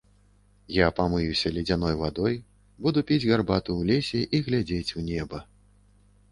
Я памыюся ледзяной вадой, буду піць гарбату ў лесе і глядзець у неба.